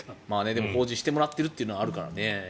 でも法事してもらってるというのはあるからね。